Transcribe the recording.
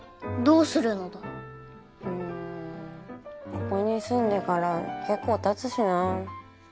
ここに住んでから結構経つしなあ。